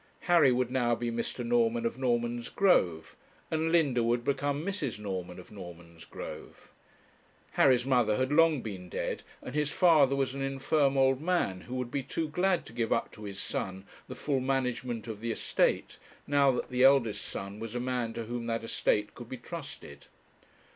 Harry would now be Mr. Norman of Normansgrove, and Linda would become Mrs. Norman of Normansgrove; Harry's mother had long been dead, and his father was an infirm old man, who would be too glad to give up to his son the full management of the estate, now that the eldest son was a man to whom that estate could be trusted.